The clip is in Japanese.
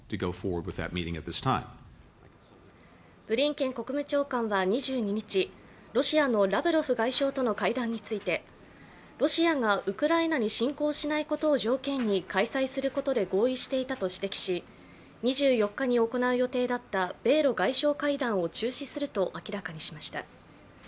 ブリンケン国務長官は２２日、ロシアのラブロフ外相との会談について、ロシアがウクライナに侵攻しないことを条件に開催することで合意していたと指摘し２４日に行う予定だった米ロ外相会談を中止すると明らかにしました。